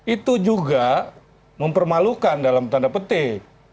itu juga mempermalukan dalam tanda petik